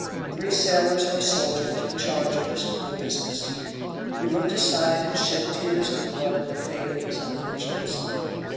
Three sailors and a soldier took charge of this cruel business. We looked aside and shed tears of blood at the fate of these unfortunates.